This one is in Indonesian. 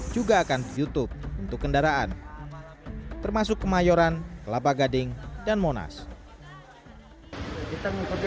juga akan youtube untuk kendaraan termasuk kemahyoran kelabagading dan monas kita mengikuti